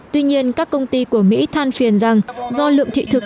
tuy nhiên các công ty của mỹ than phiền rằng do lượng thị thực